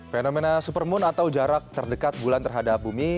fenomena supermoon atau jarak terdekat bulan terhadap bumi